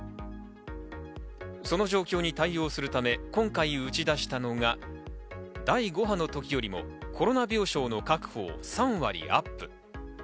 その状況に対応するため今回打ち出したのが第５波の時よりもコロナ病床の確保を３割アップ。